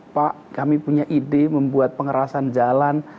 pak kami punya ide membuat pengerasan jalan